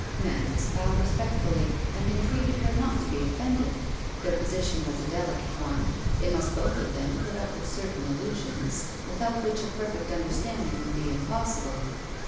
Nantas bowed respectfully, and entreated her not to be offended. Their position was a delicate one ; they must both of them put up with certain allusions, without which a perfect understanding would be impossible.